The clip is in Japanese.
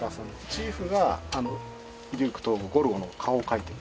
チーフがデューク東郷ゴルゴの顔を描いてます。